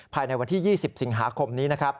ภายในวันที่๒๐สิงหาคมนี้